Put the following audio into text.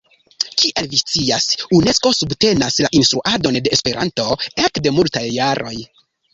Kiel vi scias, Unesko subtenas la instruadon de Esperanto ekde multaj jaroj.